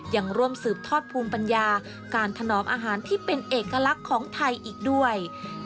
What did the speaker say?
ยังร่วมสืบทอดภูมิปัญญาการถนอมอาหารที่เป็นเอกลักษณ์ของไทยอีกด้วย